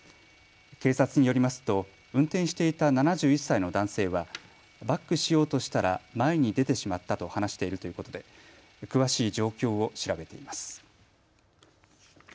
警察によりますと運転していた７１歳の男性はバックしようとしたら前に出てしまったと話しているということで詳しい状況を調べています。